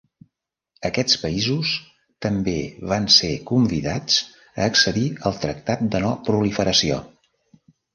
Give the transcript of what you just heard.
Aquests països també van ser convidats a accedir al tractat de no proliferació.